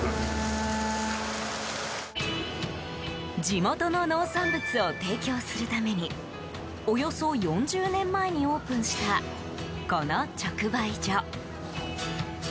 地元の農産物を提供するためにおよそ４０年前にオープンしたこの直売所。